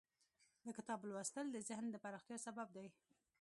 د کتاب لوستل د ذهن د پراختیا سبب دی.